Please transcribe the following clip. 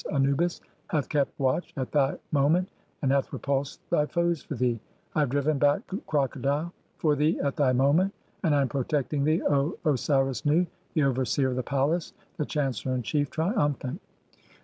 Anubis) hath kept watch (43) at thy moment, and "hath repulsed [thy foes for thee]. I have driven back the Cro codile [for thee] at thy moment, and I am protecting thee, "O Osiris Nu, the overseer of the palace, the chancellor in chief, "triumphant."